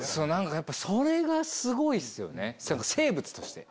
それがすごいっすよね。